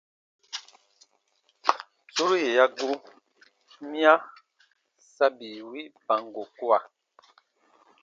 Suru yè ya gu, miya sa bii wi bango kua.